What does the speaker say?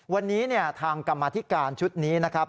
วันนี้ทางกรรมธิการชุดนี้นะครับ